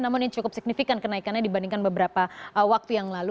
namun ini cukup signifikan kenaikannya dibandingkan beberapa waktu yang lalu